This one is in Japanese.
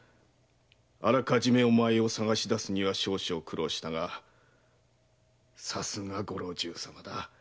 あらかじめお前を捜し出すには少々苦労したがさすがご老中様だ。